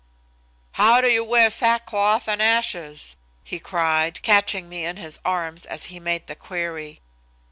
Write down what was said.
"How do you wear sackcloth and ashes?" he cried, catching me in his arms as he made the query.